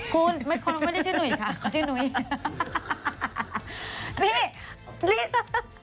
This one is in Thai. คุณไม่ใช่ชื่อนุ้ยค่ะเขาชื่อนุ้ย